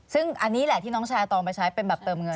ซึ่งอันนี้แหละที่น้องชายตองไปใช้เป็นแบบเติมเงิน